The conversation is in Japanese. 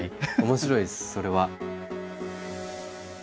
面白いですそれは。